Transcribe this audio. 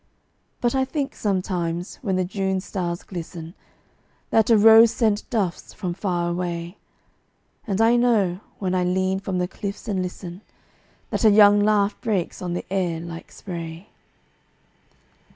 But I think sometimes, when the June stars glisten, That a rose scent dufts from far away, And I know, when I lean from the cliffs and listen, That a young laugh breaks on the air like spray.